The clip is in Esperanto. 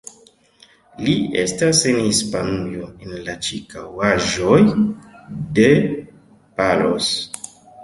Li estas en Hispanujo, en la ĉirkaŭaĵoj de Palos.